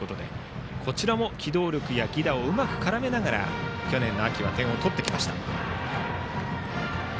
こちらも機動力や犠打をうまく絡めながら去年の秋は点を取ってきました。